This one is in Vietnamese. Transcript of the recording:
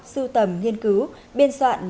sưu tầm nghiên cứu biên soạn